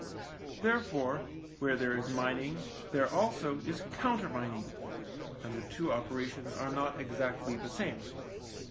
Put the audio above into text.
Therefore, where there is mining there also is countermining, and the two operations are not exactly the THE MINE 95 same.